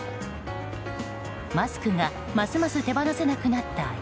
マスクがますます手放せなくなった